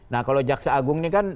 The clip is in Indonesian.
nah kalau jaksa agung ini kan